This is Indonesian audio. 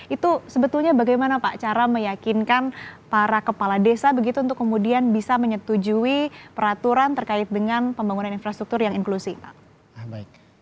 itu sebetulnya bagaimana pak cara meyakinkan para kepala desa begitu untuk kemudian bisa menyetujui peraturan terkait dengan pembangunan infrastruktur yang inklusif pak